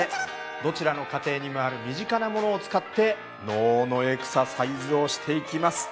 どちらの家庭にもある身近なものを使って脳のエクササイズをしていきます。